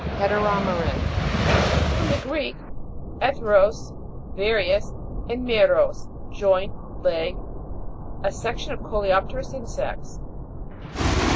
HETEROME'RAN. From the Greek, 'eteros, various, and meros, joint, leg. A section of coleop'terous insects.